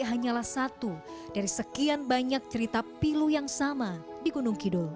hanyalah satu dari sekian banyak cerita pilu yang sama di gunung kidul